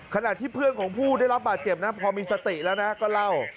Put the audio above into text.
ขณะที่เพื่อนของผู้ได้รับบาดเจ็บนะพอมีสติแล้วนะก็เล่า